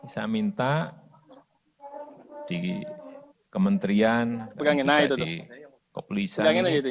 saya minta di kementerian di kepolisian